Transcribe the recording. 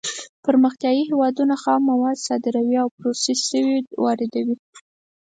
پرمختیايي هېوادونه خام مواد صادروي او پروسس شوي واردوي.